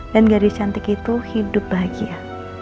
dan gadis cantik itu hidup bahagia